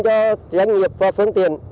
cho doanh nghiệp và phương tiện